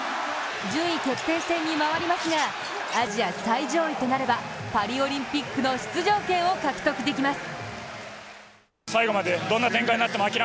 順位決定戦に回りますが、アジア最上位となれば、パリオリンピックの出場権を獲得できます。